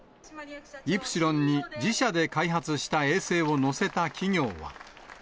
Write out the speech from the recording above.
イプシロンに自社で開発した衛星を載せた企業は。